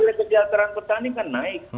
karena jadil keterangan petani kan naik